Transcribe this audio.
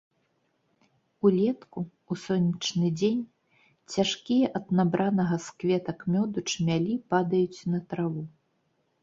Улетку, у сонечны дзень, цяжкія ад набранага з кветак мёду чмялі падаюць на траву.